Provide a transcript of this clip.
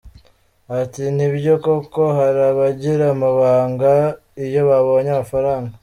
Ati “Ni byo koko hari abagira amabanga iyo babonye amafaranga.